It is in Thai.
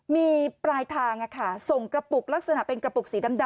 มีปลายทางส่งกระปุกลักษณะเป็นกระปุกสีดำ